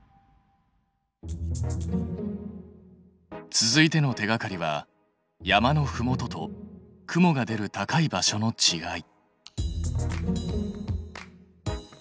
続いての手がかりは山のふもとと雲が出る高い場所のちがい。